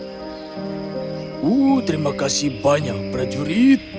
oh terima kasih banyak prajurit